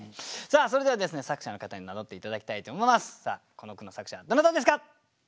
この句の作者はどなたですか？